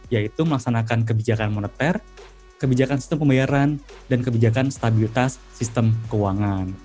yaitu melaksanakan kebijakan moneter kebijakan sistem pembayaran dan kebijakan stabilitas sistem keuangan